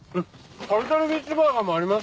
タルタルフィッシュバーガーもありますよ。